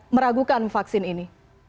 meragukan vaksin ini